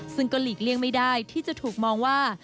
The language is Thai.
ซึ่งก็หลีกเลี่ยงไม่ได้ที่จะถูกมองว่า